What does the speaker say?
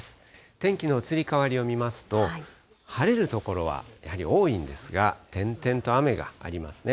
天気の移り変わりを見ますと、晴れる所はやはり多いんですが、点々と雨がありますね。